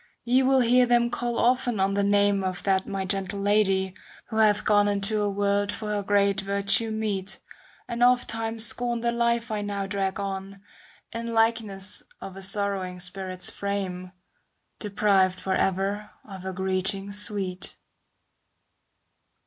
Ye will hear them call often on the name Of that my gentle Lady, who hath gone ^° Into a world for her great virtue meet. And ofttimes scorn the life I now drag on, In likeness of a sorrowing spirit's frame. Deprived for ever of her greeting sweet.